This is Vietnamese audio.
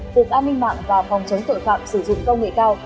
cục an ninh mạng và phòng chống tội phạm sử dụng công nghệ cao